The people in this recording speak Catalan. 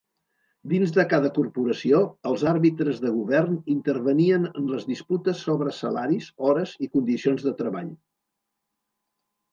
Dins de cada corporació, els àrbitres de govern intervenien en les disputes sobre salaris, hores i condicions de treball.